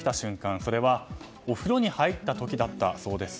それはお風呂に入った時だったそうです。